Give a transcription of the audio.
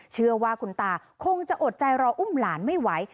เชื่อว่าคุณตาคงจะอดใจรออุ้มหลานไม่ไหว